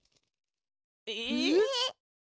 え！